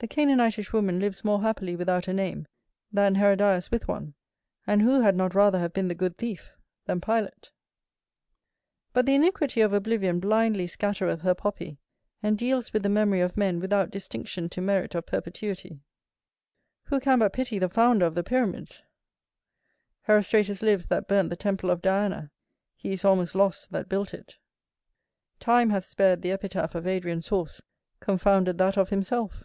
The Canaanitish woman lives more happily without a name, than Herodias with one. And who had not rather have been the good thief, than Pilate? [BW] "Cuperem notum esse quod sim non opto ut sciatur qualis sim." But the iniquity of oblivion blindly scattereth her poppy, and deals with the memory of men without distinction to merit of perpetuity. Who can but pity the founder of the pyramids? Herostratus lives that burnt the temple of Diana, he is almost lost that built it. Time hath spared the epitaph of Adrian's horse, confounded that of himself.